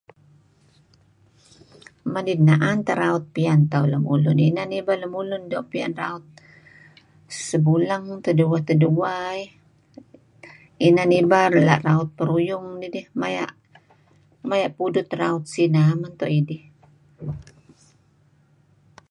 Manid naan teh raut nuk pian tauh lemulun. Ibal lemulun doo' pian sebuleng dueh iih inan ibal doo' pian raut peruyung maya' pudut raut sineh teh idih.